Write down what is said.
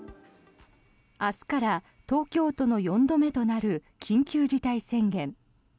明日から東京都の４度目となる緊急事態宣言。